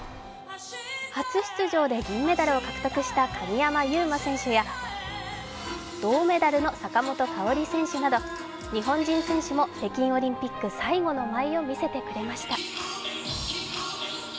初出場で銀メダルを獲得した鍵山優真選手や銅メダルの坂本花織選手など日本人選手も北京オリンピック最後の舞を見せてくれました。